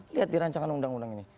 lihat di rancangan undang undang ini